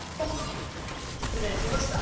しつれいしました。